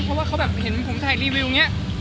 เพราะว่าเขาเห็นผมถ่ายรีวิวเนี้ย